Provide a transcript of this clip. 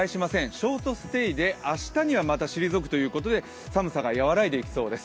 ショートステイで、明日にはまた退くということで寒さが和らいでいきそうです。